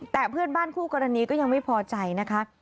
แต่เพื่อนบ้านคู่กรณีก็ยังไม่พอใจนะคะ